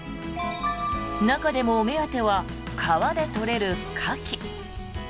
中でもお目当ては川で取れるカキ。